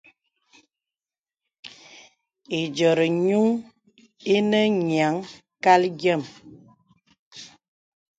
Ediórī gnūŋ inə nīəŋ kal yēm.